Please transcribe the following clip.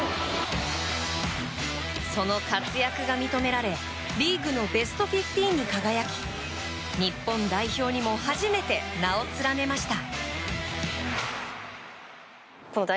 その活躍が認められリーグのベスト１５に輝き日本代表にも初めて名を連ねました。